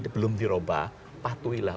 belum dirobah patuhilah